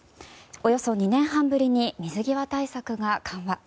およそ２年半ぶりに水際対策が緩和。